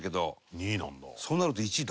２位なんだ。